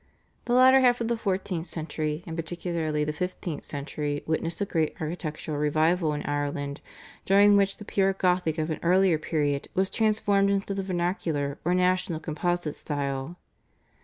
The latter half of the fourteenth century and particularly the fifteenth century witnessed a great architectural revival in Ireland, during which the pure Gothic of an earlier period was transformed into the vernacular or national composite style.